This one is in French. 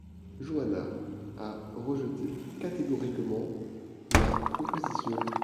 Johanna a rejeté catégoriquement la proposition.